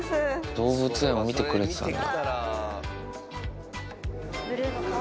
動物園を見てくれてたんだ。